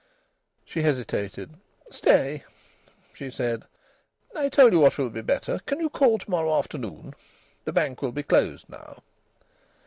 She hesitated. "Stay!" she said. "I'll tell you what will be better. Can you call to morrow afternoon? The bank will be closed now."